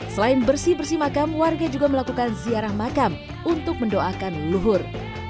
selain bersih bersih makam warga juga melakukan ziarah makam untuk mendoakan luhur